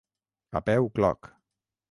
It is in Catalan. A peu cloc.